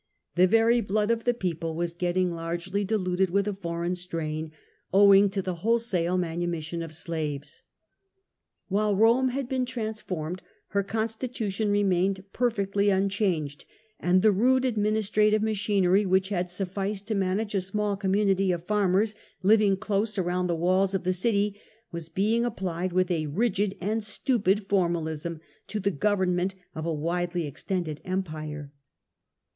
The very blood of the people was getting largely diluted with a foreign strain, owing to the whole sale manumission of slaves. While Rome had been transfoimcd, her constitution remained perfectly unchanged, and the rude administra tive machinery which had sufficed to manage a small com munity of farmers living close around the walls of the city, was being applied with a rigid and stupid formalism to the government of a widely extended empire.